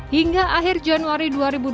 hingga akhir januari dua ribu dua puluh